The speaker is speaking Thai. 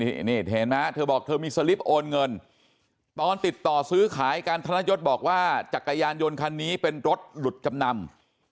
นี่เห็นไหมเธอบอกเธอมีสลิปโอนเงินตอนติดต่อซื้อขายกันธนยศบอกว่าจักรยานยนต์คันนี้เป็นรถหลุดจำนำ